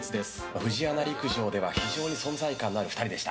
フジアナ陸上では非常に存在感のある２人でした。